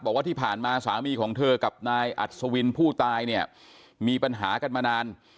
บอกว่าที่ผ่านมาสามีของเธอกับนายอัศวินผู้ตายเนี่ยมีปัญหากันมานาน